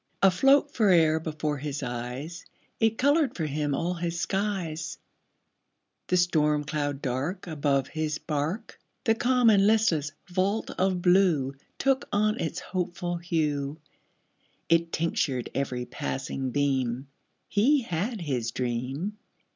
Afloat fore'er before his eyes, It colored for him all his skies: The storm cloud dark Above his bark, The calm and listless vault of blue Took on its hopeful hue, It tinctured every passing beam He had his dream.